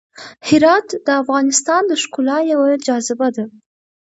هرات د افغانستان د ښکلا یوه جاذبه ده.